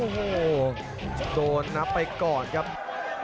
โน้ทไปก่อนครับ